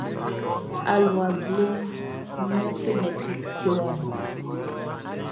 Alua ble nian fenɛtri tikewa nu.